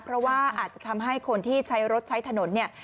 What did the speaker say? เพราะว่าอาจจะทำให้คนที่ใช้รถใช้ถนนเนี่ย